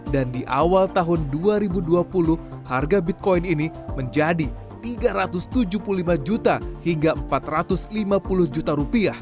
dan di awal tahun dua ribu dua puluh harga bitcoin ini menjadi rp tiga ratus tujuh puluh lima hingga rp empat ratus lima puluh